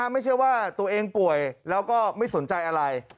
ไม่ใช่ว่าตัวเองป่วยแล้วก็ไม่สนใจอะไร